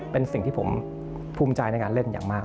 เป็นสิ่งที่ผมภูมิใจในการเล่นอย่างมาก